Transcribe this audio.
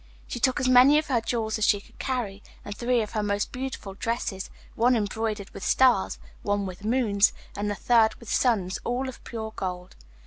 She took as many of her jewels as she could carry, and three of her most beautiful dresses, one embroidered with stars, one with moons, and the third with suns, all of pure gold.